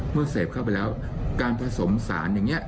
เมื่อเสพเข้าไปแล้วการผสมสารอย่างนี้